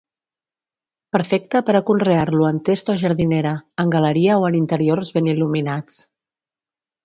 Perfecte per a conrear-lo en test o jardinera, en galeria o en interiors ben il·luminats.